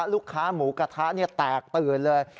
ลูกค้าหมูกระทะแตกตื่นเลย